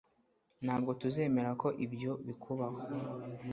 Ntabwo tuzemera ko ibyo bikubaho